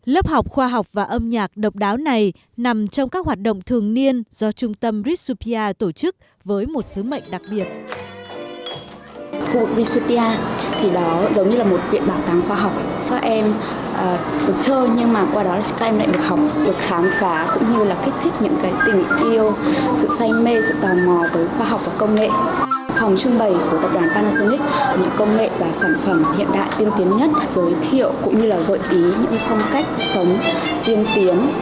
lớp học này nằm trong các hoạt động thường niên do trung tâm ritsupia tổ chức với một sứ mệnh đặc biệt